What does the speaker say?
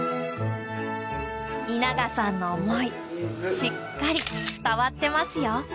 稲賀さんの思いしっかり伝わってますよ。